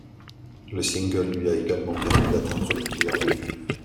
Le single lui a également permis d'atteindre le milliard de vues.